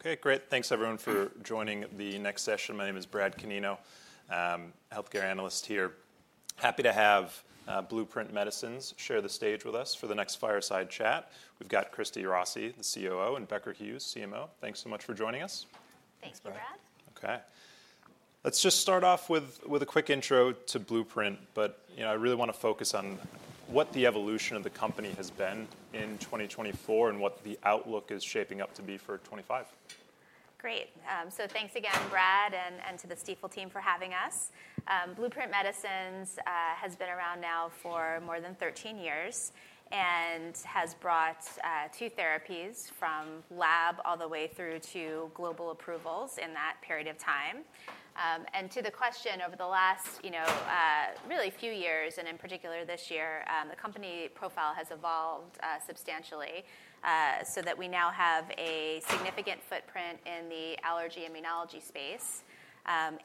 Okay, great. Thanks, everyone, for joining the next session. My name is Brad Canino, healthcare analyst here. Happy to have Blueprint Medicines share the stage with us for the next fireside chat. We've got Christy Rossi, the COO, and Becker Hewes, CMO. Thanks so much for joining us. Thanks, Brad. Okay. Let's just start off with a quick intro to Blueprint, but I really want to focus on what the evolution of the company has been in 2024 and what the outlook is shaping up to be for 2025. Great. So thanks again, Brad, and to the Stifel team for having us. Blueprint Medicines has been around now for more than 13 years and has brought two therapies from lab all the way through to global approvals in that period of time. And to the question, over the last really few years, and in particular this year, the company profile has evolved substantially so that we now have a significant footprint in the allergy immunology space,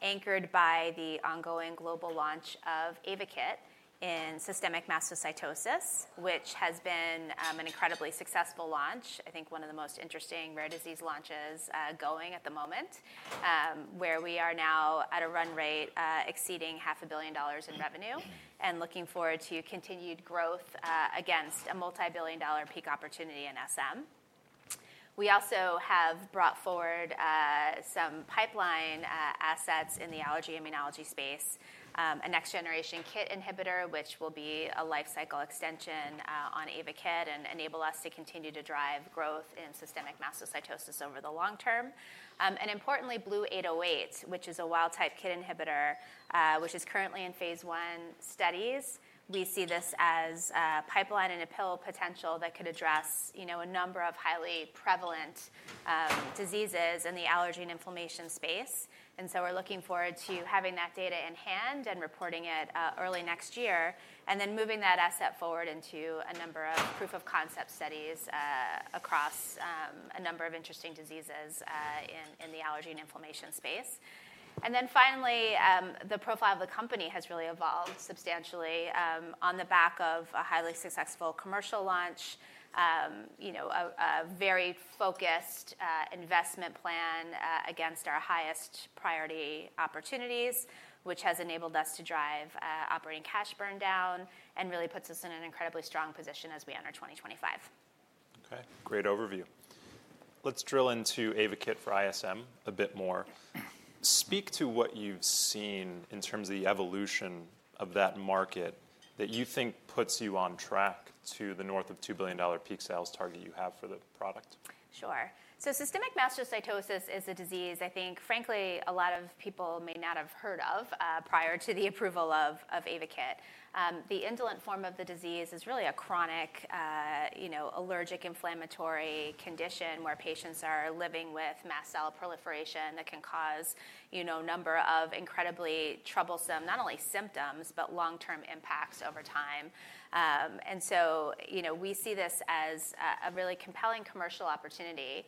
anchored by the ongoing global launch of Ayvakit in systemic Mastocytosis, which has been an incredibly successful launch, I think one of the most interesting rare disease launches going at the moment, where we are now at a run rate exceeding $500 million in revenue and looking forward to continued growth against a multi-billion-dollar peak opportunity in SM. We also have brought forward some pipeline assets in the allergy immunology space, a next-generation KIT inhibitor, which will be a lifecycle extension on AyvaKIT and enable us to continue to drive growth in systemic mastocytosis over the long term, and importantly, BLU-808, which is a wild-type KIT inhibitor, which is currently in phase one studies. We see this as pipeline and appeal potential that could address a number of highly prevalent diseases in the allergy and inflammation space, so we're looking forward to having that data in hand and reporting it early next year, and then moving that asset forward into a number of proof-of-concept studies across a number of interesting diseases in the allergy and inflammation space. And then finally, the profile of the company has really evolved substantially on the back of a highly successful commercial launch, a very focused investment plan against our highest priority opportunities, which has enabled us to drive operating cash burn down and really puts us in an incredibly strong position as we enter 2025. Okay, great overview. Let's drill into AvaKIT for ISM a bit more. Speak to what you've seen in terms of the evolution of that market that you think puts you on track to the north of $2 billion peak sales target you have for the product. Sure. So systemic mastocytosis is a disease I think, frankly, a lot of people may not have heard of prior to the approval of AvaKIT. The indolent form of the disease is really a chronic allergic inflammatory condition where patients are living with mast cell proliferation that can cause a number of incredibly troublesome, not only symptoms, but long-term impacts over time. And so we see this as a really compelling commercial opportunity.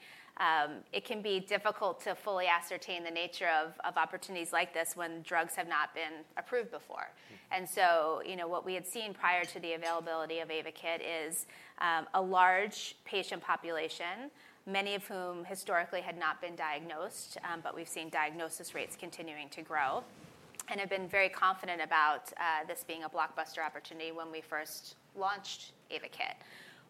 It can be difficult to fully ascertain the nature of opportunities like this when drugs have not been approved before. And so what we had seen prior to the availability of AvaKIT is a large patient population, many of whom historically had not been diagnosed, but we've seen diagnosis rates continuing to grow and have been very confident about this being a blockbuster opportunity when we first launched AvaKIT.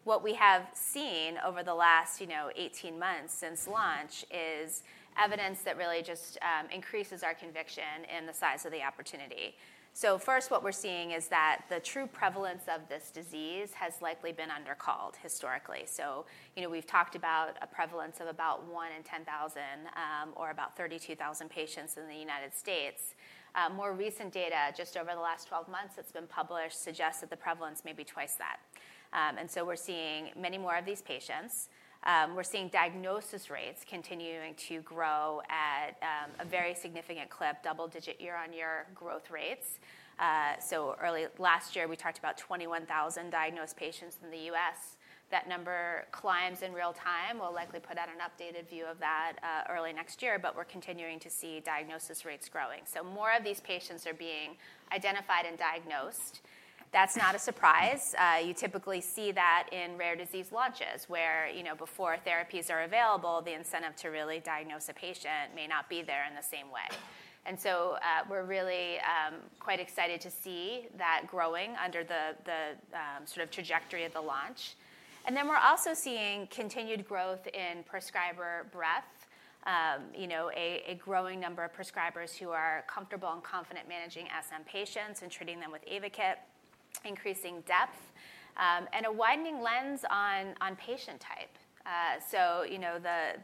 What we have seen over the last 18 months since launch is evidence that really just increases our conviction in the size of the opportunity. So first, what we're seeing is that the true prevalence of this disease has likely been undercalled historically. So we've talked about a prevalence of about 1 in 10,000 or about 32,000 patients in the United States. More recent data, just over the last 12 months that's been published, suggests that the prevalence may be twice that. And so we're seeing many more of these patients. We're seeing diagnosis rates continuing to grow at a very significant clip, double-digit year-on-year growth rates. So last year, we talked about 21,000 diagnosed patients in the U.S. That number climbs in real time. We'll likely put out an updated view of that early next year, but we're continuing to see diagnosis rates growing. So more of these patients are being identified and diagnosed. That's not a surprise. You typically see that in rare disease launches where before therapies are available, the incentive to really diagnose a patient may not be there in the same way. And so we're really quite excited to see that growing under the trajectory of the launch. And then we're also seeing continued growth in prescriber breadth, a growing number of prescribers who are comfortable and confident managing SM patients and treating them with Avakit, increasing depth, and a widening lens on patient type. So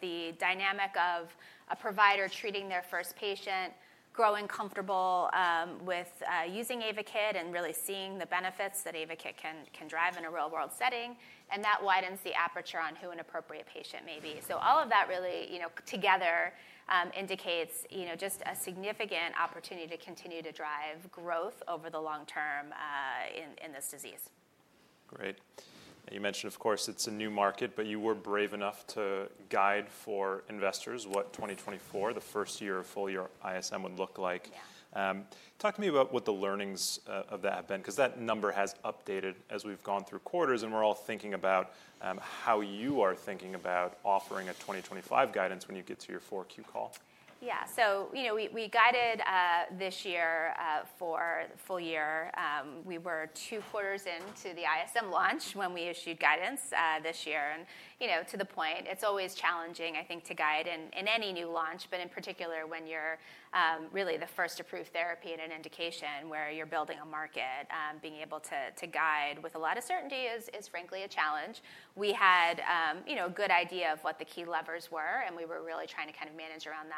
the dynamic of a provider treating their first patient, growing comfortable with using Avakit and really seeing the benefits that Avakit can drive in a real-world setting, and that widens the aperture on who an appropriate patient may be. So all of that really together indicates just a significant opportunity to continue to drive growth over the long term in this disease. Great. You mentioned, of course, it's a new market, but you were brave enough to guide for investors what 2024, the first year of full year ISM would look like. Talk to me about what the learnings of that have been, because that number has updated as we've gone through quarters and we're all thinking about how you are thinking about offering a 2025 guidance when you get to your Q4 call. Yeah, so we guided this year for the full year. We were two quarters into the ISM launch when we issued guidance this year. And to the point, it's always challenging, I think, to guide in any new launch, but in particular when you're really the first approved therapy and an indication where you're building a market, being able to guide with a lot of certainty is frankly a challenge. We had a good idea of what the key levers were, and we were really trying to kind of manage around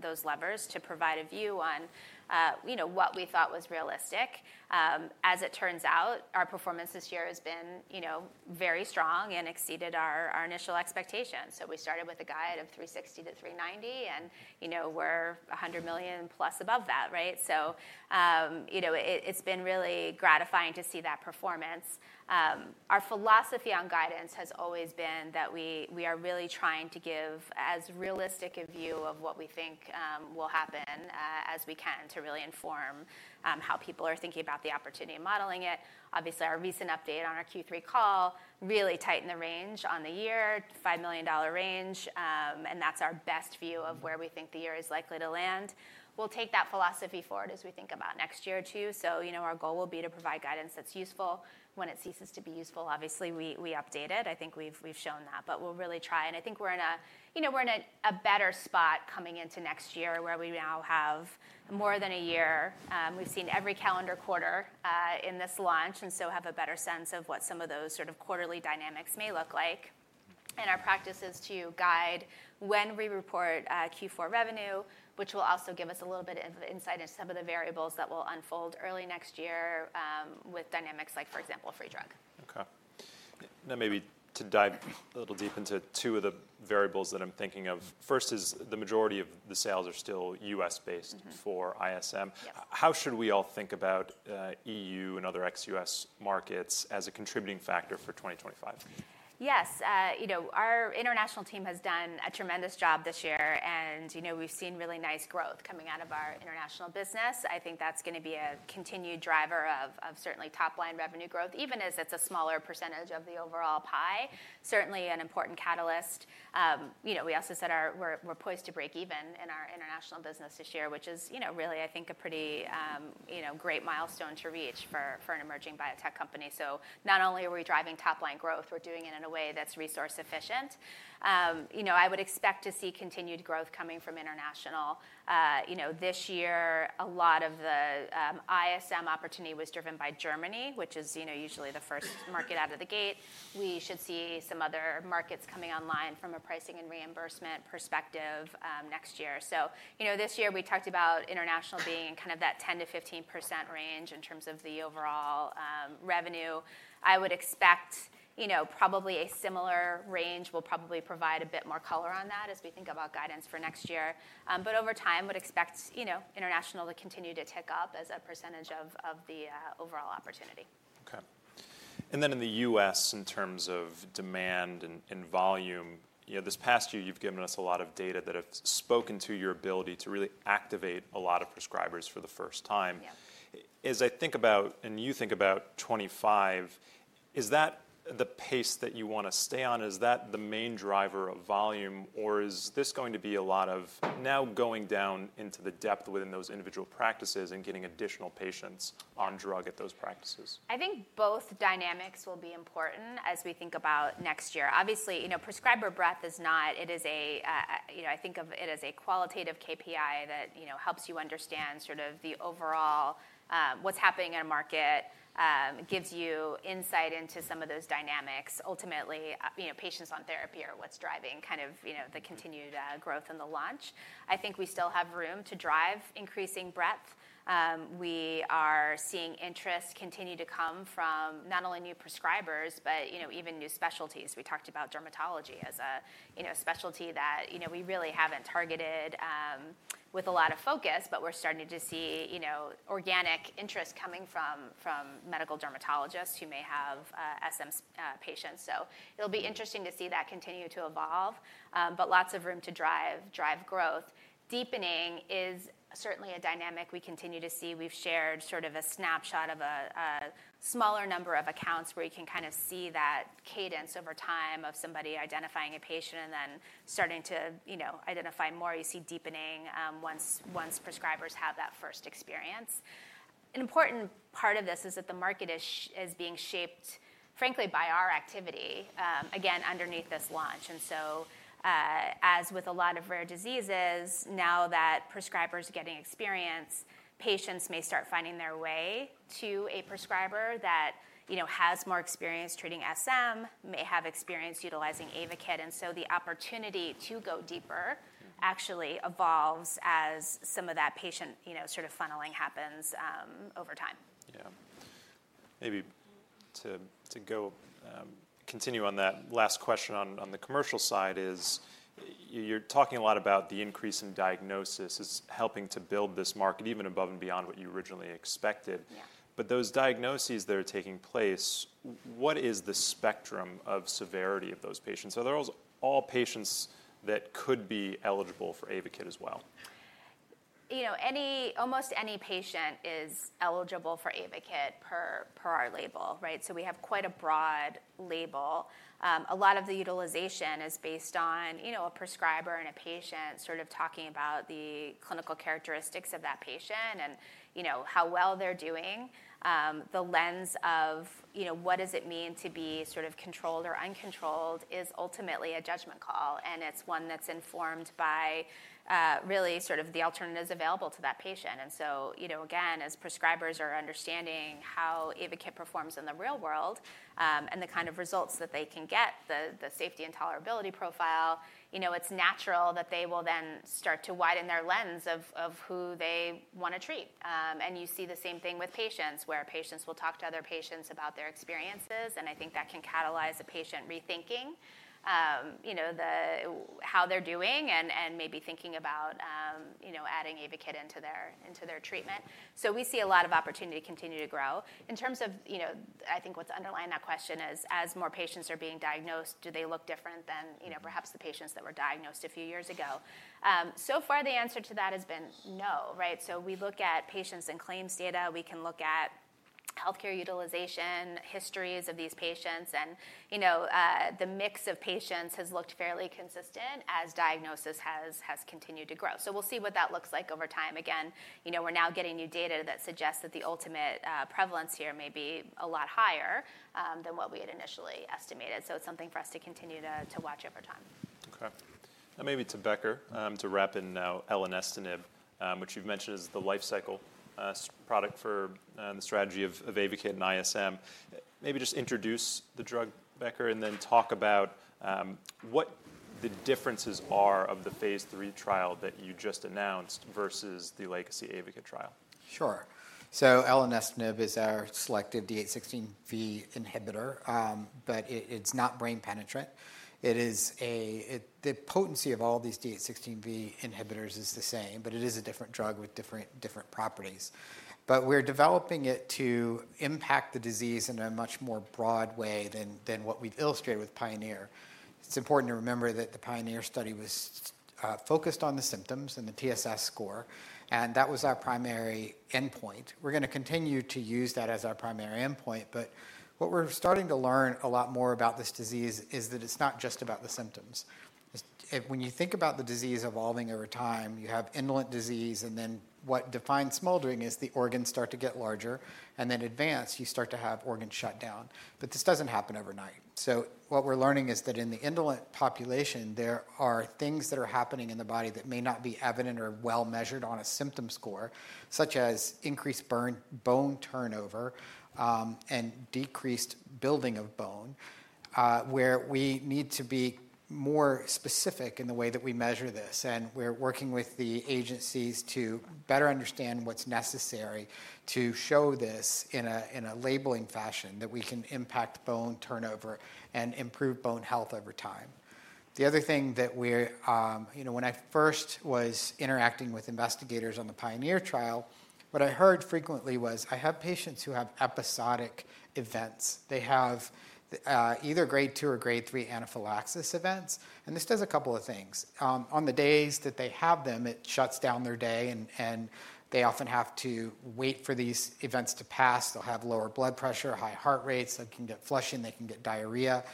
those levers to provide a view on what we thought was realistic. As it turns out, our performance this year has been very strong and exceeded our initial expectations. So we started with a guide of $360-$390 million, and we're $100 million plus above that, right? So it's been really gratifying to see that performance. Our philosophy on guidance has always been that we are really trying to give as realistic a view of what we think will happen as we can to really inform how people are thinking about the opportunity and modeling it. Obviously, our recent update on our Q3 call really tightened the range on the year, $5 million range, and that's our best view of where we think the year is likely to land. We'll take that philosophy forward as we think about next year too. So our goal will be to provide guidance that's useful when it ceases to be useful. Obviously, we update it. I think we've shown that, but we'll really try. I think we're in a better spot coming into next year where we now have more than a year. We've seen every calendar quarter in this launch and so have a better sense of what some of those sort of quarterly dynamics may look like, and our practice is to guide when we report Q4 revenue, which will also give us a little bit of insight into some of the variables that will unfold early next year with dynamics like, for example, free drug. Okay. Now maybe to dive a little deep into two of the variables that I'm thinking of. First is the majority of the sales are still U.S.-based for ISM. How should we all think about E.U. and other ex-U.S. markets as a contributing factor for 2025? Yes. Our international team has done a tremendous job this year, and we've seen really nice growth coming out of our international business. I think that's going to be a continued driver of certainly top-line revenue growth, even as it's a smaller percentage of the overall pie, certainly an important catalyst. We also said we're poised to break even in our international business this year, which is really, I think, a pretty great milestone to reach for an emerging biotech company. So not only are we driving top-line growth, we're doing it in a way that's resource efficient. I would expect to see continued growth coming from international. This year, a lot of the ISM opportunity was driven by Germany, which is usually the first market out of the gate. We should see some other markets coming online from a pricing and reimbursement perspective next year. So this year we talked about international being in kind of that 10%-15% range in terms of the overall revenue. I would expect probably a similar range will probably provide a bit more color on that as we think about guidance for next year. But over time, I would expect international to continue to tick up as a percentage of the overall opportunity. Okay. And then in the U.S., in terms of demand and volume, this past year you've given us a lot of data that have spoken to your ability to really activate a lot of prescribers for the first time. As I think about, and you think about 2025, is that the pace that you want to stay on? Is that the main driver of volume, or is this going to be a lot of now going down into the depth within those individual practices and getting additional patients on drug at those practices? I think both dynamics will be important as we think about next year. Obviously, prescriber breadth is not, I think of it as a qualitative KPI that helps you understand sort of the overall what's happening in a market, gives you insight into some of those dynamics. Ultimately, patients on therapy are what's driving kind of the continued growth in the launch. I think we still have room to drive increasing breadth. We are seeing interest continue to come from not only new prescribers, but even new specialties. We talked about dermatology as a specialty that we really haven't targeted with a lot of focus, but we're starting to see organic interest coming from medical dermatologists who may have SM patients. So it'll be interesting to see that continue to evolve, but lots of room to drive growth. Deepening is certainly a dynamic we continue to see. We've shared sort of a snapshot of a smaller number of accounts where you can kind of see that cadence over time of somebody identifying a patient and then starting to identify more. You see deepening once prescribers have that first experience. An important part of this is that the market is being shaped, frankly, by our activity, again, underneath this launch, and so as with a lot of rare diseases, now that prescribers are getting experience, patients may start finding their way to a prescriber that has more experience treating SM, may have experience utilizing Ayvakit, and so the opportunity to go deeper actually evolves as some of that patient sort of funneling happens over time. Yeah. Maybe to continue on that, last question on the commercial side is you're talking a lot about the increase in diagnosis is helping to build this market even above and beyond what you originally expected. But those diagnoses that are taking place, what is the spectrum of severity of those patients? Are those all patients that could be eligible for Ayvakit as well? Almost any patient is eligible for Ayvakit per our label, right? So we have quite a broad label. A lot of the utilization is based on a prescriber and a patient sort of talking about the clinical characteristics of that patient and how well they're doing. The lens of what does it mean to be sort of controlled or uncontrolled is ultimately a judgment call, and it's one that's informed by really sort of the alternatives available to that patient. And so again, as prescribers are understanding how Ayvakit performs in the real world and the kind of results that they can get, the safety and tolerability profile, it's natural that they will then start to widen their lens of who they want to treat. You see the same thing with patients where patients will talk to other patients about their experiences, and I think that can catalyze a patient rethinking how they're doing and maybe thinking about adding Ayvakit into their treatment. We see a lot of opportunity to continue to grow. In terms of, I think what's underlying that question is, as more patients are being diagnosed, do they look different than perhaps the patients that were diagnosed a few years ago? So far, the answer to that has been no, right? We look at patients and claims data. We can look at healthcare utilization, histories of these patients, and the mix of patients has looked fairly consistent as diagnosis has continued to grow. We'll see what that looks like over time. Again, we're now getting new data that suggests that the ultimate prevalence here may be a lot higher than what we had initially estimated, so it's something for us to continue to watch over time. Okay. And maybe to Becker, to wrap in now, elenestinib, which you've mentioned is the lifecycle product for the strategy of Ayvakit and ISM. Maybe just introduce the drug, Becker, and then talk about what the differences are of the phase three trial that you just announced versus the legacy Ayvakit trial. Sure. So elenestinib is our selected D816V inhibitor, but it's not brain penetrant. The potency of all these D816V inhibitors is the same, but it is a different drug with different properties. But we're developing it to impact the disease in a much more broad way than what we've illustrated with Pioneer. It's important to remember that the Pioneer study was focused on the symptoms and the TSS score, and that was our primary endpoint. We're going to continue to use that as our primary endpoint, but what we're starting to learn a lot more about this disease is that it's not just about the symptoms. When you think about the disease evolving over time, you have indolent disease, and then what defines smoldering is the organs start to get larger, and then advanced, you start to have organ shutdown. But this doesn't happen overnight. What we're learning is that in the indolent population, there are things that are happening in the body that may not be evident or well measured on a symptom score, such as increased bone turnover and decreased building of bone, where we need to be more specific in the way that we measure this. We're working with the agencies to better understand what's necessary to show this in a labeling fashion that we can impact bone turnover and improve bone health over time. The other thing that when I first was interacting with investigators on the Pioneer trial, what I heard frequently was, "I have patients who have episodic events. They have either grade two or grade three anaphylaxis events." This does a couple of things. On the days that they have them, it shuts down their day, and they often have to wait for these events to pass. They'll have lower blood pressure, high heart rates, they can get flushing, they can get diarrhea.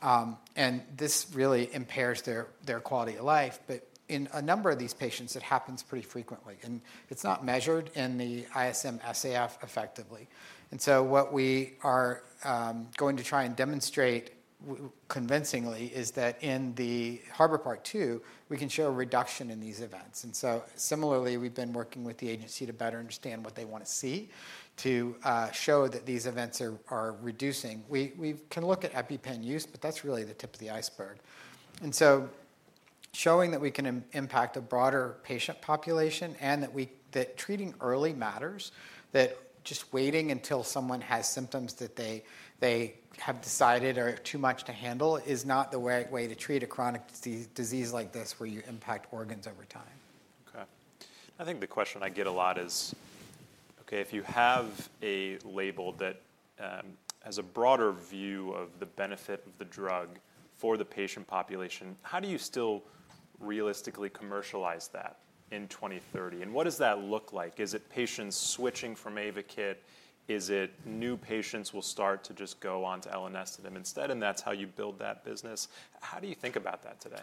And this really impairs their quality of life. But in a number of these patients, it happens pretty frequently, and it's not measured in the ISM SAF effectively. And so what we are going to try and demonstrate convincingly is that in the Harbor Part II, we can show a reduction in these events. And so similarly, we've been working with the agency to better understand what they want to see to show that these events are reducing. We can look at EpiPen use, but that's really the tip of the iceberg. And so showing that we can impact a broader patient population and that treating early matters, that just waiting until someone has symptoms that they have decided are too much to handle is not the way to treat a chronic disease like this where you impact organs over time. Okay. I think the question I get a lot is, okay, if you have a label that has a broader view of the benefit of the drug for the patient population, how do you still realistically commercialize that in 2030? And what does that look like? Is it patients switching from Ayvakit? Is it new patients will start to just go on to elenestinib instead, and that's how you build that business? How do you think about that today?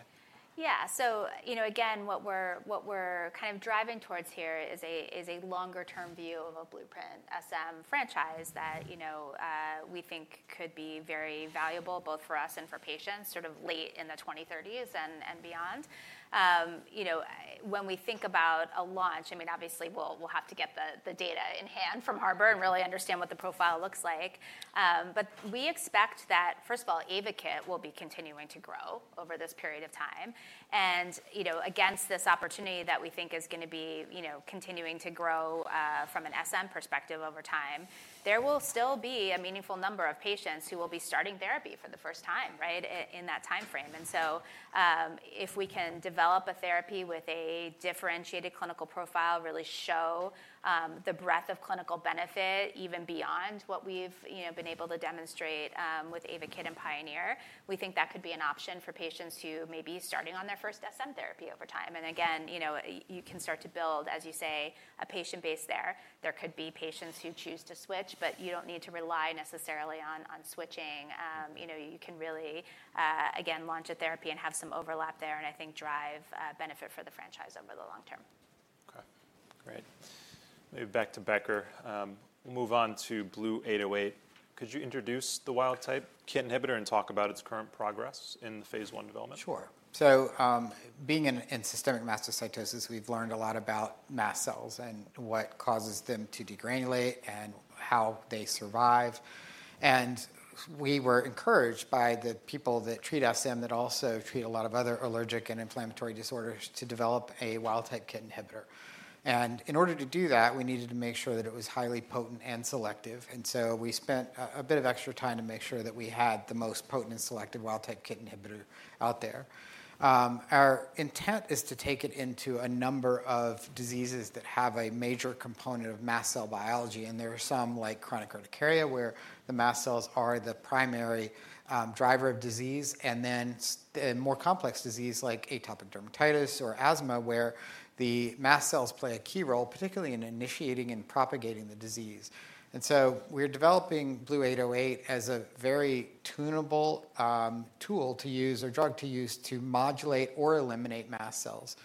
Yeah. So again, what we're kind of driving towards here is a longer-term view of a Blueprint SM franchise that we think could be very valuable both for us and for patients sort of late in the 2030s and beyond. When we think about a launch, I mean, obviously, we'll have to get the data in hand from Harbor and really understand what the profile looks like. But we expect that, first of all, Ayvakit will be continuing to grow over this period of time. And against this opportunity that we think is going to be continuing to grow from an SM perspective over time, there will still be a meaningful number of patients who will be starting therapy for the first time, right, in that timeframe. And so if we can develop a therapy with a differentiated clinical profile, really show the breadth of clinical benefit even beyond what we've been able to demonstrate with Ayvakit and Pioneer, we think that could be an option for patients who may be starting on their first SM therapy over time. And again, you can start to build, as you say, a patient base there. There could be patients who choose to switch, but you don't need to rely necessarily on switching. You can really, again, launch a therapy and have some overlap there and I think drive benefit for the franchise over the long term. Okay. Great. Maybe back to Becker. We'll move on to BLU-808. Could you introduce the wild-type KIT inhibitor and talk about its current progress in the phase one development? Sure. So being in systemic Mastocytosis, we've learned a lot about mast cells and what causes them to degranulate and how they survive. And we were encouraged by the people that treat SM that also treat a lot of other allergic and inflammatory disorders to develop a wild-type kit inhibitor. And in order to do that, we needed to make sure that it was highly potent and selective. And so we spent a bit of extra time to make sure that we had the most potent and selective wild-type kit inhibitor out there. Our intent is to take it into a number of diseases that have a major component of mast cell biology, and there are some like chronic urticaria where the mast cells are the primary driver of disease, and then more complex disease like atopic dermatitis or asthma where the mast cells play a key role, particularly in initiating and propagating the disease, and so we're developing BLU-808 as a very tunable tool to use or drug to use to modulate or eliminate mast cells.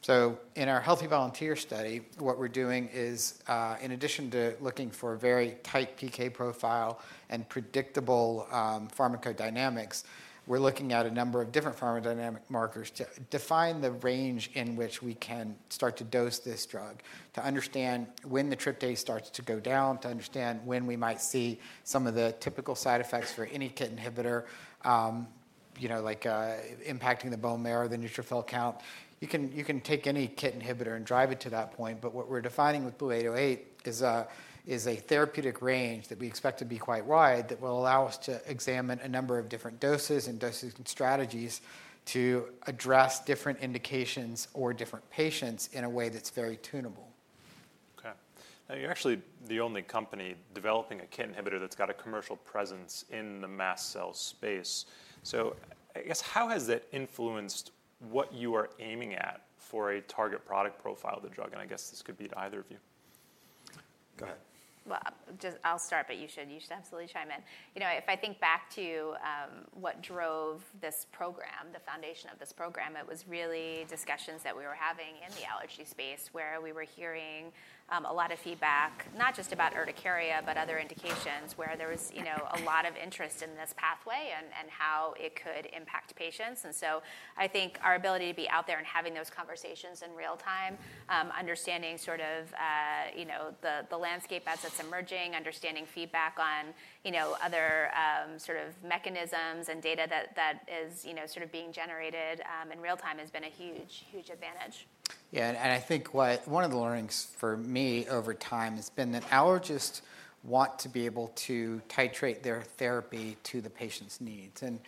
So in our healthy volunteer study, what we're doing is, in addition to looking for a very tight PK profile and predictable pharmacodynamics, we're looking at a number of different pharmacodynamic markers to define the range in which we can start to dose this drug, to understand when the tryptase starts to go down, to understand when we might see some of the typical side effects for any KIT inhibitor, like impacting the bone marrow, the neutrophil count. You can take any KIT inhibitor and drive it to that point, but what we're defining with BLU-808 is a therapeutic range that we expect to be quite wide that will allow us to examine a number of different doses and dosing strategies to address different indications or different patients in a way that's very tunable. Okay. Now, you're actually the only company developing a KIT inhibitor that's got a commercial presence in the mast cell space. So I guess how has that influenced what you are aiming at for a target product profile of the drug? And I guess this could be to either of you. Go ahead. I'll start, but you should absolutely chime in. If I think back to what drove this program, the foundation of this program, it was really discussions that we were having in the allergy space where we were hearing a lot of feedback, not just about urticaria, but other indications where there was a lot of interest in this pathway and how it could impact patients. And so I think our ability to be out there and having those conversations in real time, understanding sort of the landscape as it's emerging, understanding feedback on other sort of mechanisms and data that is sort of being generated in real time has been a huge, huge advantage. Yeah. And I think one of the learnings for me over time has been that allergists want to be able to titrate their therapy to the patient's needs. And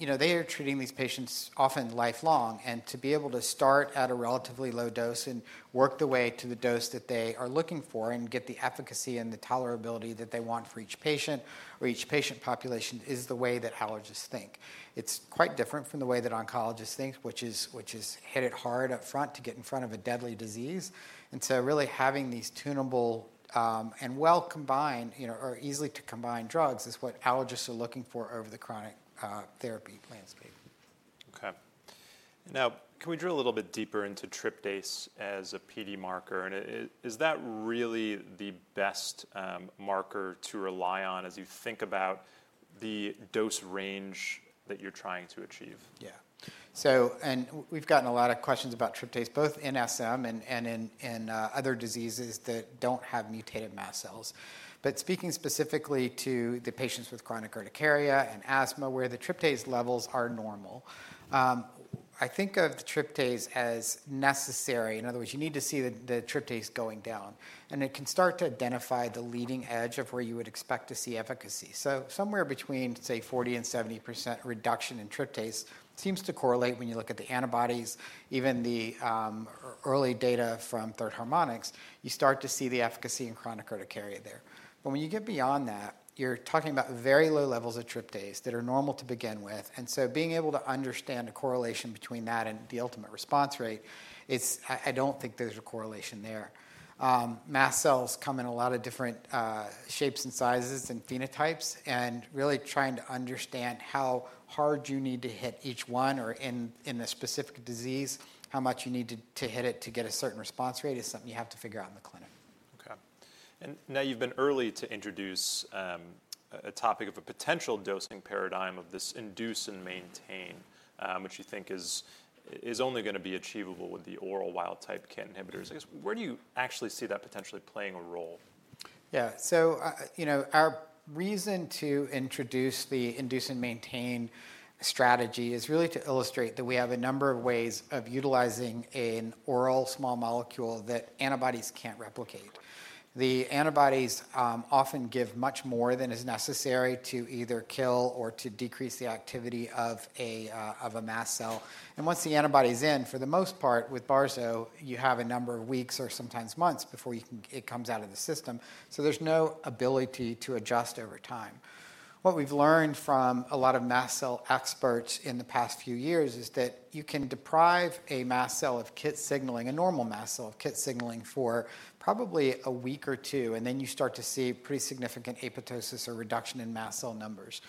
they are treating these patients often lifelong, and to be able to start at a relatively low dose and work the way to the dose that they are looking for and get the efficacy and the tolerability that they want for each patient or each patient population is the way that allergists think. It's quite different from the way that oncologists think, which is hit it hard upfront to get in front of a deadly disease. And so really having these tunable and well-combined or easily to combine drugs is what allergists are looking for over the chronic therapy landscape. Okay. Now, can we drill a little bit deeper into tryptase as a PD marker, and is that really the best marker to rely on as you think about the dose range that you're trying to achieve? Yeah. We've gotten a lot of questions about tryptase both in SM and in other diseases that don't have mutated mast cells. But speaking specifically to the patients with chronic urticaria and asthma where the tryptase levels are normal, I think of tryptase as necessary. In other words, you need to see the tryptase going down, and it can start to identify the leading edge of where you would expect to see efficacy. So somewhere between, say, 40 and 70% reduction in tryptase seems to correlate when you look at the antibodies. Even the early data from Third Harmonic, you start to see the efficacy in chronic urticaria there. But when you get beyond that, you're talking about very low levels of tryptase that are normal to begin with. Being able to understand a correlation between that and the ultimate response rate, I don't think there's a correlation there. Mast cells come in a lot of different shapes and sizes and phenotypes, and really trying to understand how hard you need to hit each one or in a specific disease, how much you need to hit it to get a certain response rate is something you have to figure out in the clinic. Okay, and now you've been early to introduce a topic of a potential dosing paradigm of this induce and maintain, which you think is only going to be achievable with the oral wild-type KIT inhibitors. I guess where do you actually see that potentially playing a role? Yeah, so our reason to introduce the induce and maintain strategy is really to illustrate that we have a number of ways of utilizing an oral small molecule that antibodies can't replicate. The antibodies often give much more than is necessary to either kill or to decrease the activity of a mast cell. And once the antibody is in, for the most part, with barzolvolimab, you have a number of weeks or sometimes months before it comes out of the system. So there's no ability to adjust over time. What we've learned from a lot of mast cell experts in the past few years is that you can deprive a mast cell of kit signaling, a normal mast cell of kit signaling for probably a week or two, and then you start to see pretty significant apoptosis or reduction in mast cell numbers.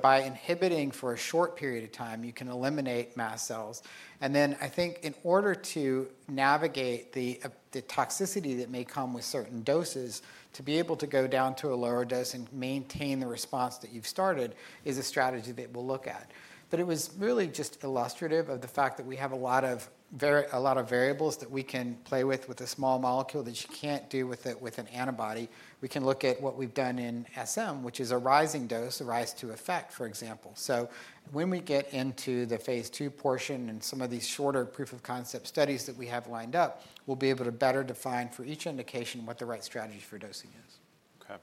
By inhibiting for a short period of time, you can eliminate mast cells. And then I think in order to navigate the toxicity that may come with certain doses, to be able to go down to a lower dose and maintain the response that you've started is a strategy that we'll look at. But it was really just illustrative of the fact that we have a lot of variables that we can play with a small molecule that you can't do with an antibody. We can look at what we've done in SM, which is a rising dose, a rise to effect, for example. So when we get into the phase two portion and some of these shorter proof of concept studies that we have lined up, we'll be able to better define for each indication what the right strategy for dosing is. Okay.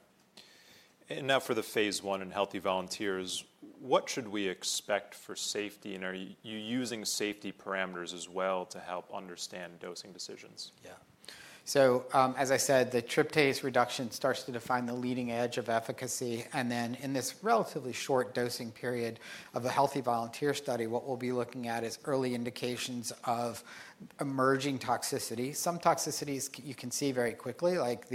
And now for the phase one in healthy volunteers, what should we expect for safety? And are you using safety parameters as well to help understand dosing decisions? Yeah. So as I said, the tryptase reduction starts to define the leading edge of efficacy. And then in this relatively short dosing period of a healthy volunteer study, what we'll be looking at is early indications of emerging toxicity. Some toxicities you can see very quickly, like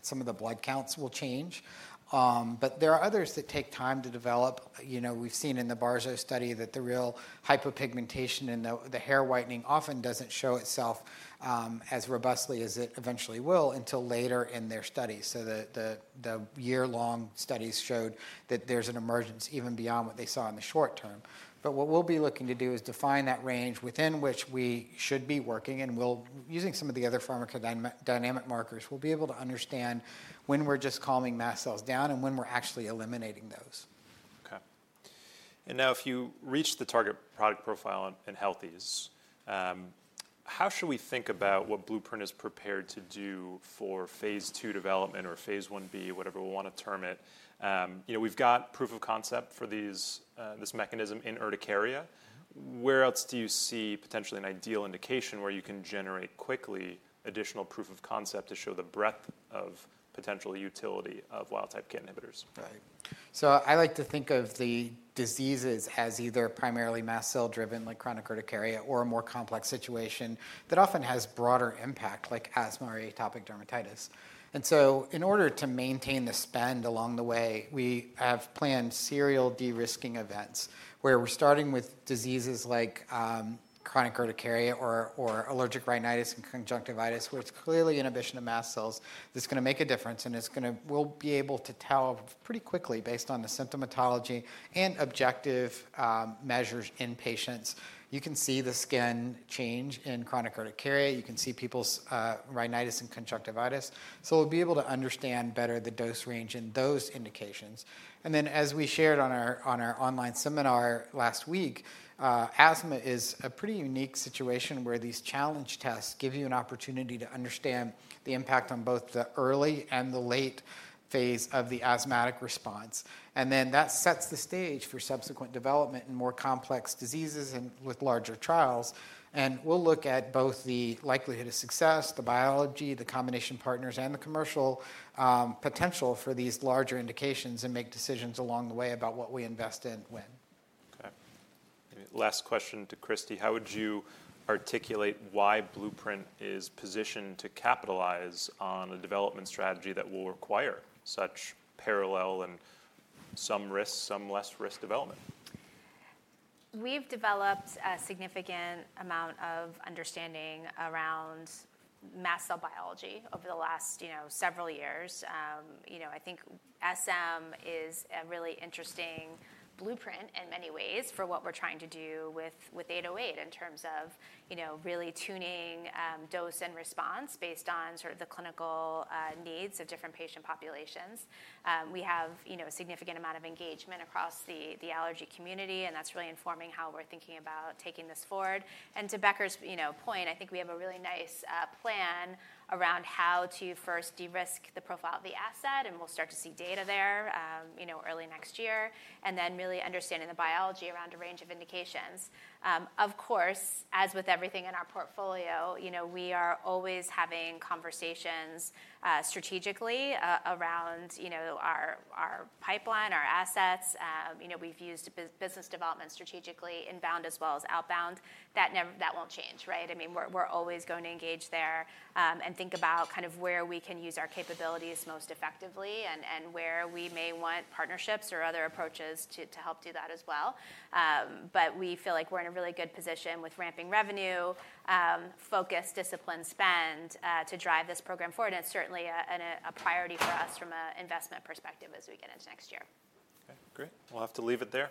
some of the blood counts will change. But there are others that take time to develop. We've seen in the barzolvolimab study that the real hypopigmentation and the hair whitening often doesn't show itself as robustly as it eventually will until later in their studies. So the year-long studies showed that there's an emergence even beyond what they saw in the short term. But what we'll be looking to do is define that range within which we should be working. Using some of the other pharmacodynamic markers, we'll be able to understand when we're just calming mast cells down and when we're actually eliminating those. Okay. And now if you reach the target product profile in healthy, how should we think about what Blueprint is prepared to do for phase two development or phase one B, whatever we want to term it? We've got proof of concept for this mechanism in urticaria. Where else do you see potentially an ideal indication where you can generate quickly additional proof of concept to show the breadth of potential utility of wild-type kit inhibitors? Right, so I like to think of the diseases as either primarily mast cell driven, like chronic urticaria, or a more complex situation that often has broader impact, like asthma or atopic dermatitis, and so in order to maintain the spend along the way, we have planned serial de-risking events where we're starting with diseases like chronic urticaria or allergic rhinitis and conjunctivitis, where it's clearly inhibition of mast cells that's going to make a difference, and we'll be able to tell pretty quickly based on the symptomatology and objective measures in patients. You can see the skin change in chronic urticaria. You can see people's rhinitis and conjunctivitis, so we'll be able to understand better the dose range and those indications. And then as we shared on our online seminar last week, asthma is a pretty unique situation where these challenge tests give you an opportunity to understand the impact on both the early and the late phase of the asthmatic response. And then that sets the stage for subsequent development in more complex diseases and with larger trials. And we'll look at both the likelihood of success, the biology, the combination partners, and the commercial potential for these larger indications and make decisions along the way about what we invest in when. Okay. Last question to Christy. How would you articulate why Blueprint is positioned to capitalize on a development strategy that will require such parallel and some risk, some less risk development? We've developed a significant amount of understanding around mast cell biology over the last several years. I think SM is a really interesting blueprint in many ways for what we're trying to do with 808 in terms of really tuning dose and response based on sort of the clinical needs of different patient populations. We have a significant amount of engagement across the allergy community, and that's really informing how we're thinking about taking this forward, and to Becker's point, I think we have a really nice plan around how to first de-risk the profile of the asset, and we'll start to see data there early next year, and then really understanding the biology around a range of indications. Of course, as with everything in our portfolio, we are always having conversations strategically around our pipeline, our assets. We've used business development strategically inbound as well as outbound. That won't change, right? I mean, we're always going to engage there and think about kind of where we can use our capabilities most effectively and where we may want partnerships or other approaches to help do that as well. But we feel like we're in a really good position with ramping revenue, focus, discipline, spend to drive this program forward, and it's certainly a priority for us from an investment perspective as we get into next year. Okay. Great. We'll have to leave it there.